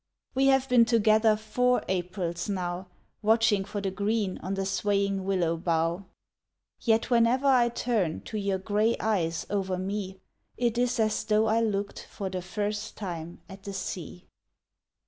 We have been together Four Aprils now Watching for the green On the swaying willow bough; Yet whenever I turn To your gray eyes over me, It is as though I looked For the first time at the sea.